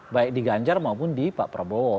baik di ganjar maupun di pak prabowo